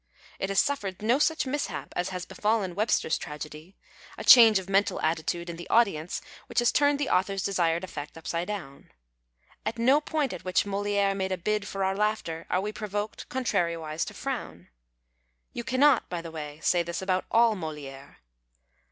It has suffered no such mishap as has befallen Webster's tragedy — a change of mental attitude in the audience which has turned the author's desired effect upside down. At no point at which Molidre made a bid for our laughter arc we provoked, con trariwise, to frown. You cannot, by the way, say this about all Moliere.